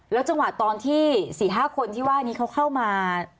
จังหวะตอนที่๔๕คนที่ว่านี้เขาเข้ามา